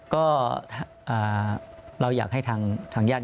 ก็เราอยากให้ทางญาติ